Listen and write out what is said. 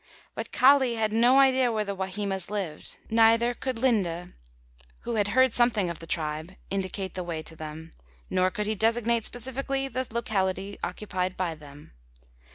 But Kali had no idea where the Wahimas lived; neither could Linde, who had heard something of the tribe, indicate the way to them, nor could he designate specifically the locality occupied by them.